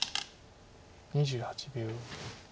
２８秒。